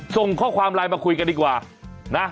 ส่งข้อความไลน์มาคุยกันดีกว่านะ